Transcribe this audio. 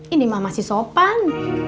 ini mah masih sopan